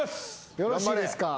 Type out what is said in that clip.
よろしいですか。